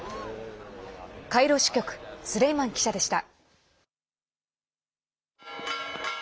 カイロ支局スレイマン記者でした。